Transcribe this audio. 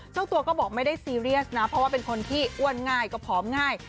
เจ้าตัวก็บอกไม่ได้ซีเรียสนะเพราะว่าเป็นคนที่อ้วนง่ายก็ผอมง่าย